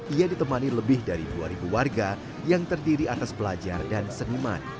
ia ditemani lebih dari dua warga yang terdiri atas pelajar dan seniman